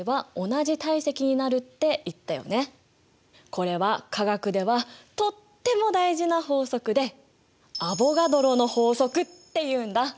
これは化学ではとっても大事な法則でアボガドロの法則っていうんだ。